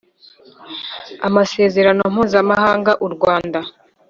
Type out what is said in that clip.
amasezerano mpuzamahanga u Rwanda